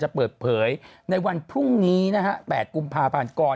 จะเปิดเผยในวันพรุ่งนี้นะครับ๘กุมภาพหารกร